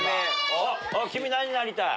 君何になりたい？